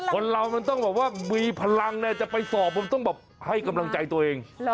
คนเรามันต้องแบบว่ามีพลังจะไปสอบมันต้องแบบให้กำลังใจตัวเอง